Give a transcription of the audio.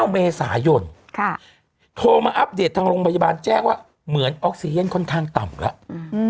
เมษายนโทรมาอัปเดตทางโรงพยาบาลแจ้งว่าเหมือนออกซีเย็นค่อนข้างต่ำแล้ว